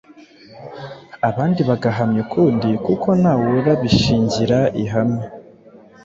abandi bagahamya ukundi kuko ntawurabishingira ihame.